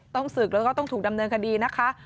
ต้องศึกแล้วก็ต้องถูกดำเนินคดีนะคะ